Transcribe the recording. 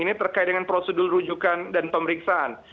ini terkait dengan prosedur rujukan dan pemeriksaan